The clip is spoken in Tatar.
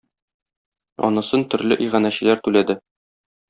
Анысын төрле иганәчеләр түләде.